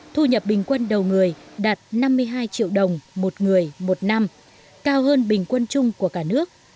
thu nhập bình quân đầu người đạt năm mươi hai triệu đồng một người một năm cao hơn bình quân chung của cả nước